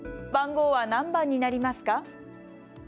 番号は何番になりますか？